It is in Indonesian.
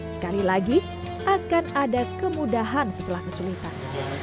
sekali lagi akan ada kemudahan setelah kesulitan